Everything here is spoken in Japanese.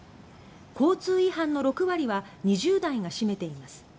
交通違反の６割は２０代が占めています。